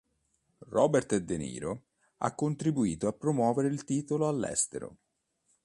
Robert De Niro, ha contribuito a promuovere il titolo all'estero.